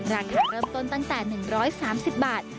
ราคาเริ่มต้นตั้งแต่๑๓๐บาท